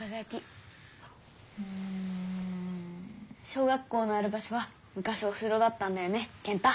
小学校のある場所はむかしお城だったんだよね健太。